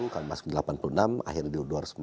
kami masuk di delapan puluh enam akhirnya di dua ratus empat